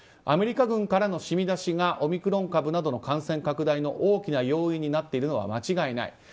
アメリカ軍からの染み出しがオミクロン株などの感染拡大の大きな要因になっているのは間違いない。